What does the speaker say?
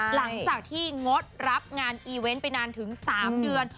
หลังจากที่งดรับงานอีเวนต์ไปนานถึง๓เดือน